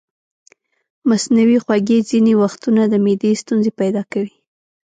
مصنوعي خوږې ځینې وختونه د معدې ستونزې پیدا کوي.